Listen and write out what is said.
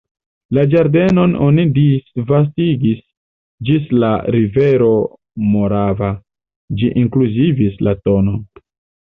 La ĝardenon oni disvastigis ĝis la rivero Morava: ĝi inkluzivis la tn.